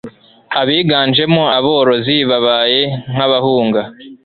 abiganjemo aborozi, babaye nk'abahunga